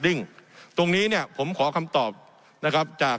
ผมขอคำตอบนะครับจากท่านประธานอนุกรรมธิการศึกษา